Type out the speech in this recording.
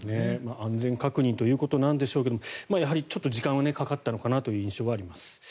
安全確認ということなんでしょうがやはりちょっと時間はかかったのかなという印象はあります。